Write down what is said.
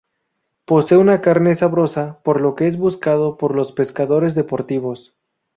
Posee una carne sabrosa, por lo que es buscado por los pescadores deportivos.